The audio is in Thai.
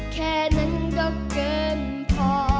แค่นั้นก็เกินพอ